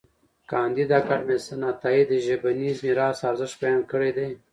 کانديد اکاډميسن عطايي د ژبني میراث ارزښت بیان کړی دی.